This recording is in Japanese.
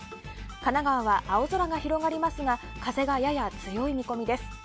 神奈川は青空が広がりますが風が、やや強い見込みです。